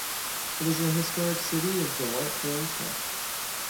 It is a historic city of the White Croatia.